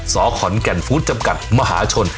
สขอนแก่นฟู้ดจำกัดมหาชน